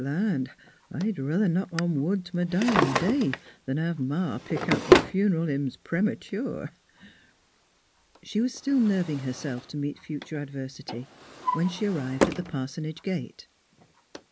But land! I'd ruther knock on wood t' m' dyin' day 'n hev Ma pick out m' fun'ral hymns prema ture." She was still nerving herself to meet future adversity when she arrived at the parsonage gate.